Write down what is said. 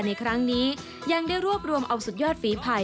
ในครั้งนี้ยังได้รวบรวมเอาสุดยอดฝีภาย